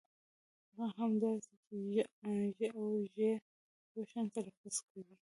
هغه هم داسې چې ږ او ژ يو شان تلفظ کوي.